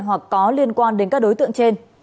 hoặc có liên quan đến các đối tượng trên